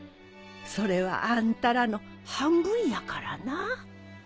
それはあんたらの半分やからなぁ。